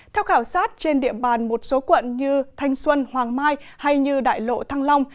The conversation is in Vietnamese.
theo khảo sát trên địa bàn một số quận như thanh xuân hoàng mai hay đại lộ thăng long